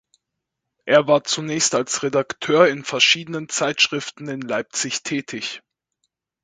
Er war zunächst als Redakteur in verschiedenen Zeitschriften in Leipzig tätig.